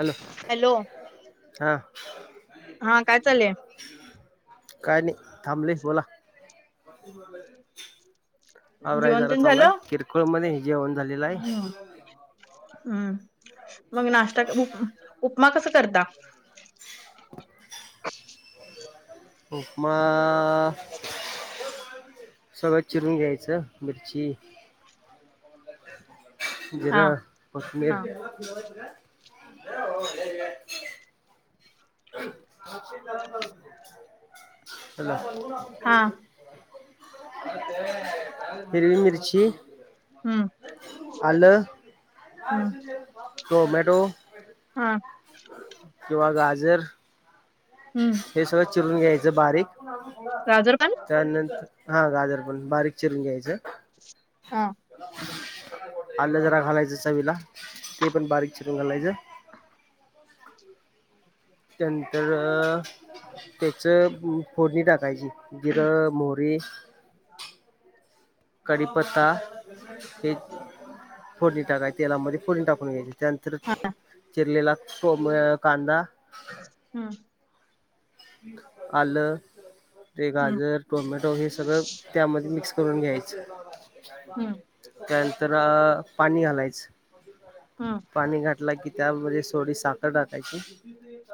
Hello. Hello हां. हा काय चालय काय नाही. थांबलेत बोला. आवरायचं जेवण जरा तेन चालू झालं आहे. किरकोळ मध्ये जेवण झालेलं हम्म आहे. हम्म. मग नाश्ता करू का? उपमा कसं करता? उपमा - सगळं चिरून घ्यायचं. मिरची - हा जिरं, कोथमिर ‌- हा हॅलो. हा हिरवी मिरची हम्म - आलं, हम्म टोमॅटो - हा किंवा गाजर - हं. हे सगळं चिरून घ्यायचं बारीक. गाजर पण त्यानंतर, हं. गाजर पण बारीक चिरून घ्यायचं. हां. आलं जरा घालायचं चवीला ते पण बारीक चिकून घालायचं. त्यानंतर त्याचं फोडणी टाकायची. गिर मोरी. हा, कढीपत्ता हे. फोडणी टाकाय तेलामध्ये फोडणी टाकून घ्यायची त्यानंतर. चिरलेला सोम कांदा. हम्म. आलं ते हम्म गाजर टोमॅटो वगैरे हे सगळं. त्यामध्ये मिक्स करून घ्यायच. हम्म त्यानंतर पाणी घालायचं. हम. पाणी घातला की त्यामध्ये थोडी साखर टाकायची.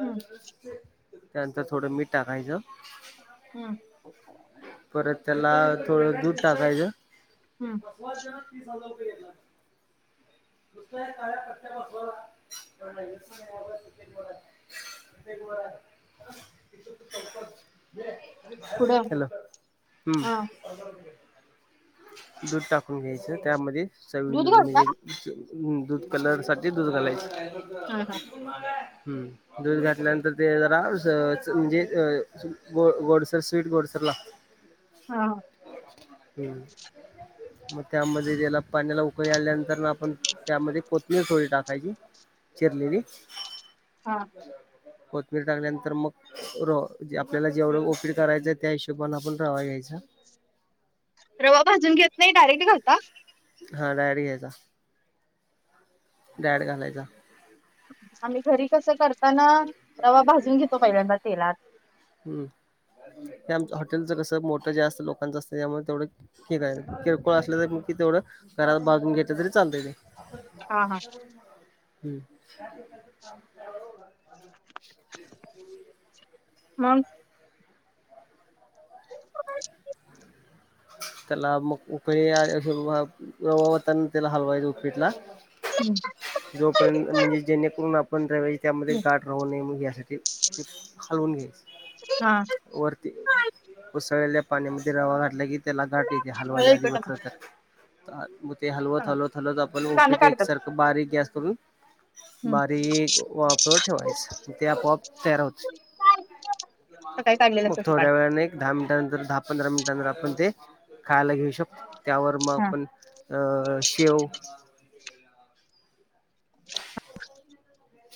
''हं'' त्यानंतर थोडं मीठ टाकायचं. ह, परत त्याला थोडं दूध टाकायचं. हम्म नुत काळ्या प्रते बसला. [unintelligible] ड सु क [unintelligible] [inaudible] पुढं हॅलो हम्म. हा दूध टाकून घ्यायचं त्यामध्ये सवी दूध न घालता म्हणजे. च दूध कलर साठी दूध घालायच हा हा हम्म. दूध घातल्यानंतर ते जरा म्हणजे ग गो गोडसर स्वीट गोडसर लागत. [inaudible] हा, हम्म मग त्यामध्ये त्याला पाण्याला उकळी आल्यानंतर आप ''--'' पण त्यामध्ये कोथीर थोडी टाकायची चिरलेली. हा. कोथबिरी टाकल्यानंतर मग. र आपल्याला जेवढं ओपीड करायचं त्या हिशोबने आपण रवा घ्यायचा. रवा भाजून घेत नाही डायरेक्ट घालता. हा डायरेक्ट घ्यायचा. डायरेक्ट घालायचा. आम्ही घरी कसं करताना रवा भाजून घेतो पहिल्यांदा तेलात. हम्म ते आमच हॉटेलचं कस मोठ जे असतं लोकांचं असतं त्यामुळे तेवढं. ठीकय किरकोळ असल्या तर मि तेवढं घरात भाजून घेत तरी चालतय ते. हा हा, हम्म. [inaudible] हम्म [inaudible] मग. त्याला मग उकळी रवा वाचायचा वाचायचा हलवायचं उपीटला. हम्म. जोपर्यंत म्हणजे जेणेकरून आपण रवा त्यामध्ये हम्म. गाठ. रव न [unintelligible] घ्यासाठी ते खालवून घ्याय. हां. वरती, ऊसळलेल्या पाण्यामध्ये रवा घातला की त्याला, गाठ ठीक ये, हलवाच्या आधी [unintelligible] बलं तर- ते हलवत, हलवत, हलवत आपण दान ऊपीट काढतात एकसारख बारीक गॅस करून बारीक् वाफेवर ठेवायचं, ते आपप तयार होते. हम्म. सकाळी काढलेलं मग असं काढ थोड्या वेळाने दहा मिनटानंतर, दहा पंधरा मिनटानंतर आपण ते खायला घेऊ शकतो, त्यावर मग हा आपण अ शेव [unintelligible]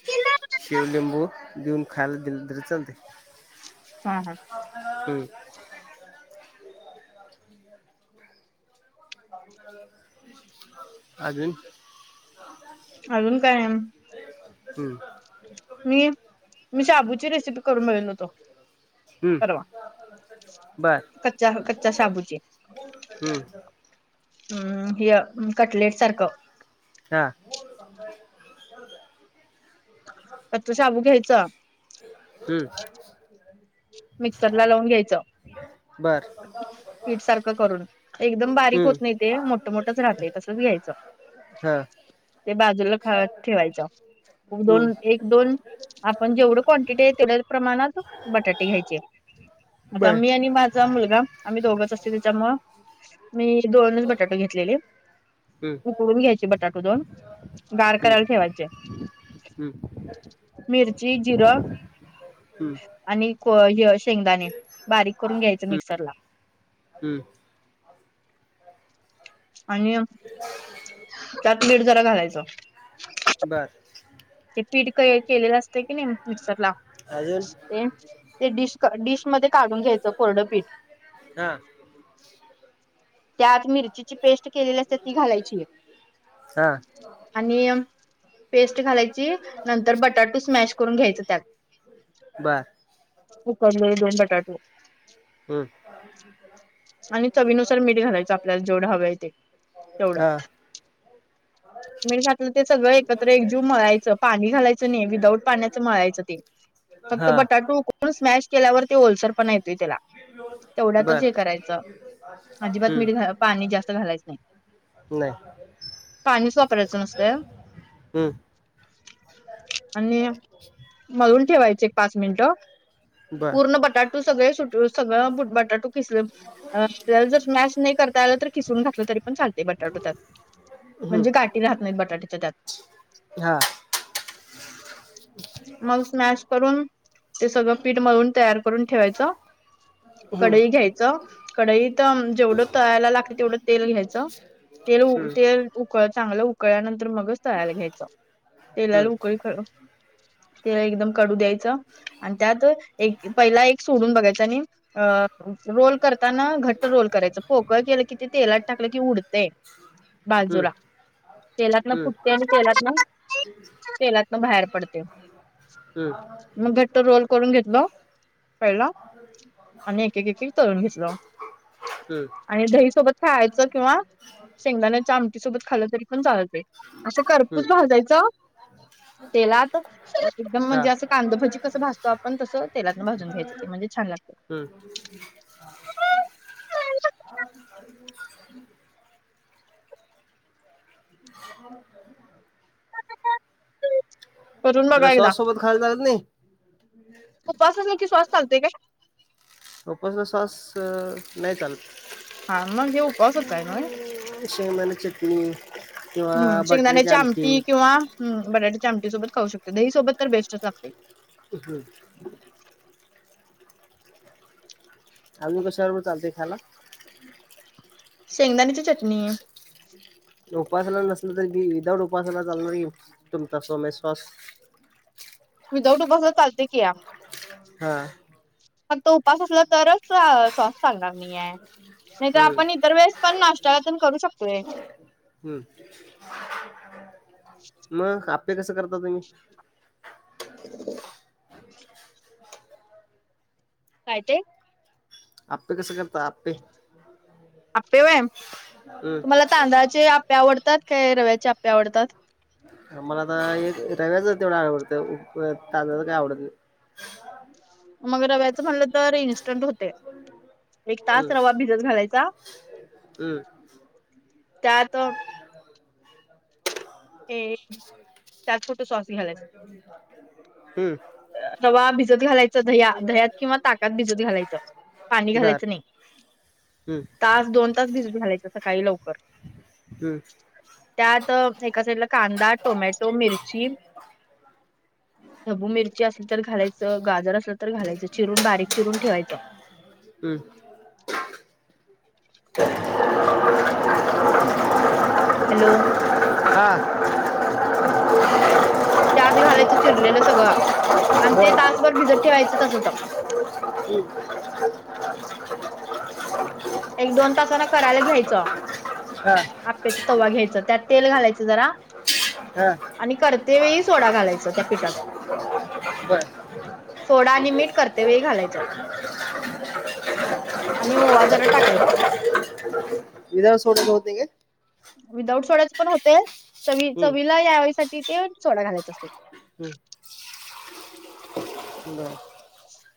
तिन शेव, लिंबू देऊन, खायला दिल, तरी चालते. हा हा. हम्म. अजून? अजून काय? हम्म. मी, मी शाबूची रेसिपी करून बघतल होतो. हम्म. बर कच्चा अ कच्चा शाबूची. हम्म हम्म, ह्य कटलेट सारखं. हा. तो शाबू घ्यायचा हम्म. मिक्सर ला लावून घ्यायचं. बर. पीठ सारखं करून. एकदम बारीक हम्म होत नही ते, मोठ-मोठच राहतय, तसच घ्यायचं. हा ते बाजूला, खा [unintelligible] ठेवायचं, हम्म दोन एक दोन आपण जेवढं क्वांटिटी ये,, तेवढ्या प्रमाणात बटाटे घ्यायचे आता बर मी आणि मा चं मुलगा, आम्ही दोघंच असते, त्याच्यामुळ मी दोनच बटाटे घेतलेले. हम्म उकडून घ्यायचे, बटाटे दोन. गार हम्म करायला ठेवायचे, हम्म मिरची जिरं हम्म. आणि थोडं जिरं शेंगदाणे बारीक करून घ्यायचं, मिक्सर ला. हम्म. आणि त्यात मीठ जरा घालायचं. बर. ते स्पीड क् हे केलेलं असत की नही, मिक्सर ला. अजून ते, ते डिस्क-डिश मध्ये काढून घ्यायचं, कोरडंपीठ. हं. त्यात मिरचीची पेस्ट केलेली असते, ती घालायची ये. हा आणि पेस्ट घालायची नंतर बटाटू स्मॅश करून घ्यायचं त्यात बर. उकडलेले दोन बटाटे हम्म. आणि चवीनुसार मीठ घालायचं आपल्याला जेवढं हव आहे ते तेवढं. हा [inaudible] मीठ घातलं ते सगळं एकत्र एकजीव मळायचं पाणी घालायचं नाही विदाऊट पाण्याचं मळायचं ते. फक्त हा बटाटू उकडून स्मॅश केल्यावर ते ओलसर पण येतोय त्याला तेवढ्यातच हे बर करायचं. अजिबात मीठ हम्म घाल पाणी जास्त घालायच नाही. नाही. पाणीच वापरायचं नसतं. हम्म आणि मळून ठेवायचं एक पाच मिनिट. बर पूर्ण बटाटू सगळे सुट सगळं बटाटू खिसले. जर स्मॅश नाही करता आलं तर खिसून घातलं तरी पण चालते बटाट त्यात, हम्म म्हणजे गाठ ते राहत नाहीत‌ बटाट्याच्या त्यात. हा. [inaudible] मग स्मॅश करून, ते सगळं पीठ मळून तयार करून ठेवायचं. हम्म कढई घ्यायच कढईत जेवढं तळायला लागते तेवढं तेल घ्यायचं, तेल हम्म तेल उकळ चांगलं उकळल्यानंतर मगच तळायला घ्यायचं, तेलाला उकळी ख तेला एकदम कढू द्यायचं आणि त्यात एक पहिला एक सोडून बघायच आणि रोल करताना घ ट रोल करायच पोकळ केलं कि ते तेलात टाकलं की उडतेय, हम्म बाजूला तेलातन हम्म फुटते आणि तेलातन, तेलातन बाहेर पडते. हम्म. मग घट्ट रोल करून घेतलो कळला आणि एक-एक, एक-एक तळून घेतलं. हम्म आणि दहीसोबत खायचं किंवा शेंगदाण्याच्या आमटी सोबत खालं तरी पण चालत. असं खरपूस हम्म भाजायचं, तेलात. एकदम हा म्हणजे असं कांदभजी कसं भाजतो आपण तसं तेलातून भाजून घ्यायचं ते म्हणजे छान लागत. हम्म. [inaudible] [inaudible] करून बघा त्याला एकदा सॉस सोबत खायला चालत नाही? उपवास असल की सॉस चालतंय काय? उपास सॉस नाही चालत. हा मग हे उपवासाचा आहे ना व्हय. हम्म शेंगदाण्याची चटणी किंवा हम्म बटाट्याची शेंगदाण्याची आमटी. किंवा बटाट्याची आमटी सोबत खाऊ शकते दही सोबत तर बेस्टच लागतंय. [inaudible] आजुन कसा बरोबर चालतंय खायाला? शेंगदाण्याची चटणी. उपासना नसल तरी विदाऊट उपासना चालणार की तुमचा टोमॅटो सॉस. विदाऊट उपवासाला चालते की या. हा. फक्त उपास असला तरच सॉस चालणार नाही ये. नाही तर हम्म आपण इतर वेळेस पण नाष्टयाल्या पण करू शकतोय. हम्म, मग आप्पे कसं करता तुम्ही? काय ते आप्पे कसं करता आप्पे आप्पे व्हय तुम्हाला हम्म तांदळाचे आप्पे आवडतात काय रव्याचे आप्पे आवडतात मला ना एक रव्याचं तेवढं आवडतं तांद्यळाच काय आवडतं नाही मग रव्याचं म्हटलं तर इन्स्टंट होतय एक तास हम्म रवा भिजत घालायचा हम्म त्यात हे एक हम्म रवा भिजत घालायचं दया दह्यात किंवा ताकात भिजत घालायचं पाणी बर घालायचं नाही हम्म तास दोन तास भिजत घालायच सकाळी लवकर हम्म त्यात एका साईडला कांदा, टोमॅटो, मिरची ढबू मिरची असली तर घालायचं गाजर असल तर घालायचं चिरून बारीक चिरून ठेवायचं हम्म हॅलो हा त्यात घालायचं चिरलेलं सगळं आणि ते बर तासभर भिजत ठेवायचं तसंच [inaudible] एक दोन तासान करायला घ्यायचं हा आप्याचा तवा घ्यायच त्यात तेल घालायचं जरा हा आणि करते वेळी सोडा घालायच त्या पीठात बर सोडा आणि मीठ करतेवेळी घालायचं आणि ओवा जरा टाकायचा विदाउट सोड्याच होत नाही काय विदाउट सोडयाच पण होतय चवी हम्म, चवीला यासाठी ते सोडा घालायच असतय बर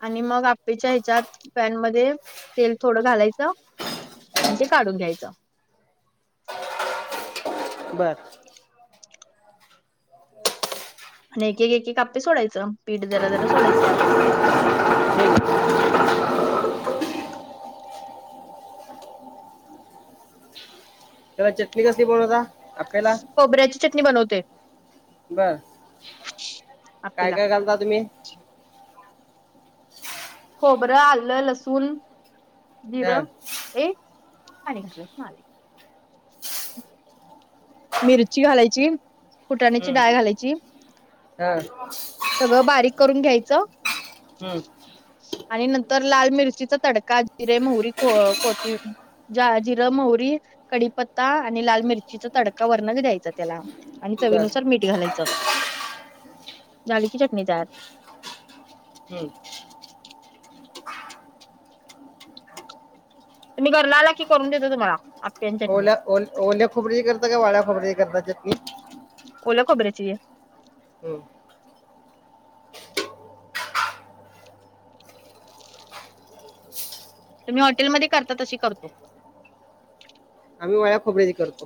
आणि मग आपेच्या हेच्यात पॅन मध्ये तेल थोडं घालायचं म्हणजे काढून घ्यायचं बर आणि एक एक आप्पे सोडायं पीठ जरा जरा सोडायचं त्यात ठीक आहे. तेव्हा चटणी कसली बनवता आप्याला खोबऱ्याची चटणी बनवते बर काय आपेला काय घालता तुम्ही खोबरं, आलं, लसूण, हा जिरं हे पाणी घातलं मिरची घालायची कुटाण्याची डाळ हम्म, घालायची हा सगळं बारीक करून घ्यायचं हम्म आणि नंतर लाल मिरचीचा तडका जिरे मोहरी ख कोती जा जिरं मोहरी कडीपत्ता आणि लाल मिरचीचा तडका वरनच द्यायचा त्याला आणि बर चवीनुसार मिठ घालायचं झाली की चटणी तयार हम्म तुम्ही घरला आला की करून देतो तुम्हाला आप्याची चटणी ओला ओ ओल्या खोबरेची करतात का वाळल्या खोबर्याची करत चटली. ओला खबर्याची. हम्म. तुम्ही हॉटेलमध्ये करता तशी करतो. आम्ही वया्या खोबऱ्याची करतो.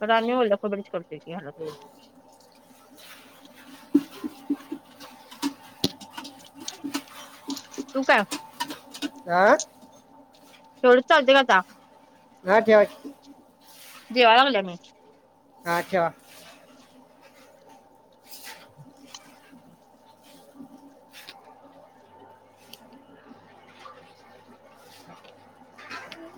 तर आम्ही ओल्या खोबरीच करत हलत. तू काय. आह. तेवढं चालते का आता. हा ठवा की. जेव लावल्या मी. हा ठेवा. कर.